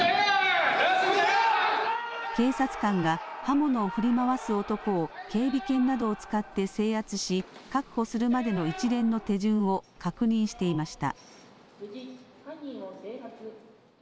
警察官が、刃物を振り回す男を警備犬などを使って制圧し、確保するまでの一連の手順を確認していました。